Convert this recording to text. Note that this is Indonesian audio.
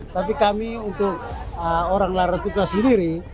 tapi kami untuk orang larang tukar sendiri